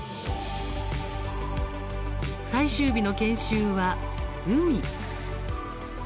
最終日の研修は、海。